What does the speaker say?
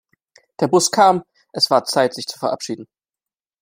Der Bus kam, es war Zeit sich zu verabschieden